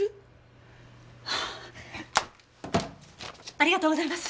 ありがとうございます。